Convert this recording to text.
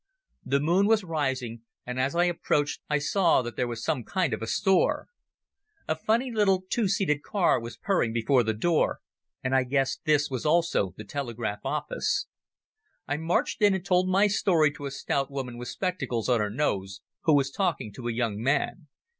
The moon was rising, and as I approached I saw that there was some kind of a store. A funny little two seated car was purring before the door, and I guessed this was also the telegraph office. I marched in and told my story to a stout woman with spectacles on her nose who was talking to a young man.